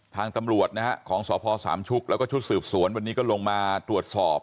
ทางตำรวจนะฮะของสพสามชุกแล้วก็ชุดสืบสวนวันนี้ก็ลงมาตรวจสอบ